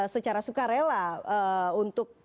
secara sukarela untuk